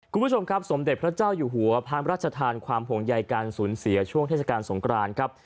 คุณผู้ชมครับสมเด็จพระเจ้าอยู่หัวพระราชทานความห่วงใยการสูญเสียช่วงเทศกาลสงครานครับ